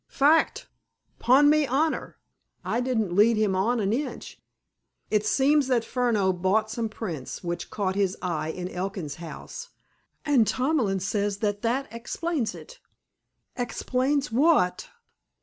"Fact, 'pon me honor. I didn't lead him on an inch. It seems that Furneaux bought some prints which caught his eye in Elkin's house, and Tomlin says that that hexplains hit." "Explains what?"